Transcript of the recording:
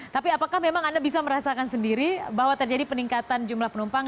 tapi apakah memang anda bisa merasakan sendiri bahwa terjadi peningkatan jumlah penumpang